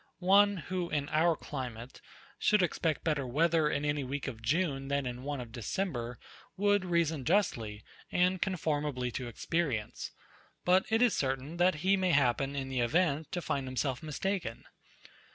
One, who in our climate, should expect better weather in any week of June than in one of December, would reason justly, and conformably to experience; but it is certain, that he may happen, in the event, to find himself mistaken.